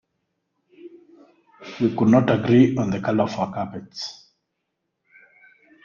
We could not agree on the colour of our carpets.